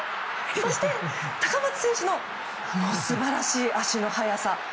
そして、高松選手の素晴らしい足の速さ。